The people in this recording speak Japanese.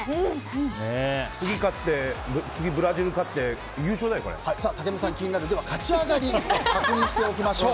次勝って、次ブラジルに勝って竹山さん、気になる勝ち上がり確認しましょう。